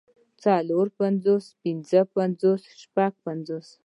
څلور پنځوس پنځۀ پنځوس شپږ پنځوس